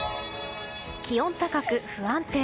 気温高く不安定。